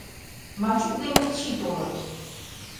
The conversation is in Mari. Мачук ден Мичи толыт.